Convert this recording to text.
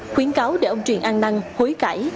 khuyến cáo để ông truyền an năng hối cãi